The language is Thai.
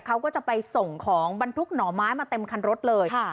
เขาก็จะไปส่งของบรรทุกหน่อไม้มาเต็มคันรถเลย